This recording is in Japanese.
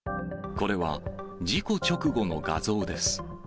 これは事故直後の画像です。